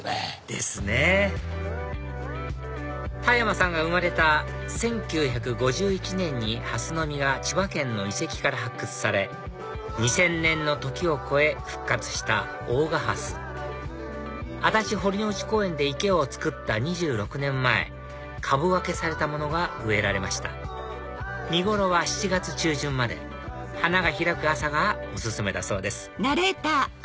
ですね田山さんが生まれた１９５１年にハスの実が千葉県の遺跡から発掘され２０００年の時を超え復活した大賀ハス足立堀之内公園で池を造った２６年前株分けされたものが植えられました見頃は７月中旬まで花が開く朝がお勧めだそうです